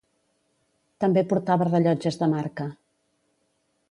També portava rellotges de marca.